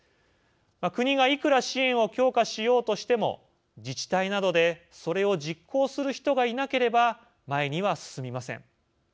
国がいくら支援を強化しようとしても自治体などでそれを実行する人がいなければ前には進みません。